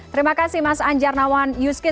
terima kasih mas anjar nawan yuskis